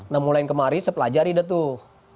nah mulai kemarin saya pelajari deh tuh